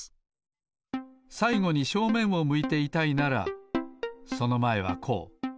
さいごに正面を向いていたいならそのまえはこう。